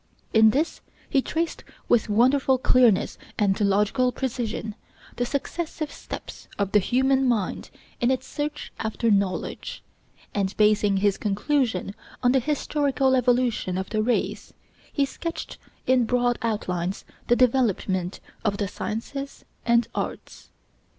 In this he traced with wonderful clearness and logical precision the successive steps of the human mind in its search after knowledge, and basing his conclusion on the historical evolution of the race, he sketched in broad outlines the development of the sciences and arts.